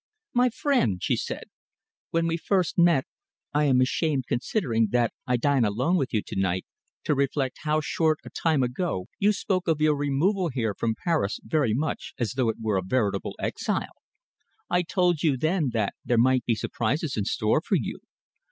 "My friend," she said, "when we first met I am ashamed, considering that I dine alone with you to night, to reflect how short a time ago you spoke of your removal here from Paris very much as though it were a veritable exile. I told you then that there might be surprises in store for you.